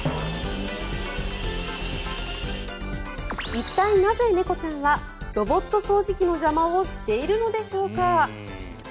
一体なぜ猫ちゃんはロボット掃除機の邪魔をしているのでしょうか。